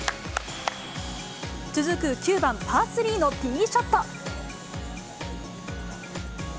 続く９番パー３のティーショット。